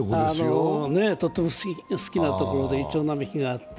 とっても好きなところで、いちょう並木があって。